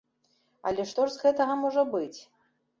Але што з гэтага можа быць?